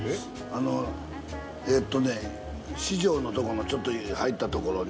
あのええっとね四条のとこのちょっと入った所に。